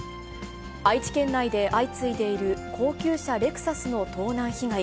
愛知県内で相次いでいる高級車、レクサスの盗難被害。